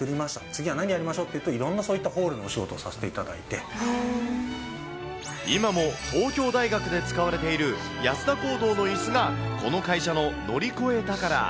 次は何やりましょうってなって、いろんなそういったホールのお仕今も東京大学で使われている安田講堂のいすがこの会社の乗り越え宝。